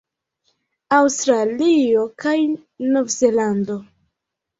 Aŭstralio kaj Novzelando